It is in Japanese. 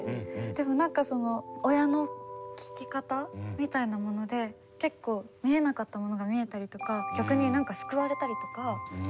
でも何か親の聞き方みたいなもので結構見えなかったものが見えたりとか逆に何か救われたりとか。